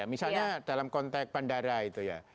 misalnya dalam konteks bandara itu ya